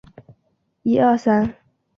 仅出现在雷凰梦中。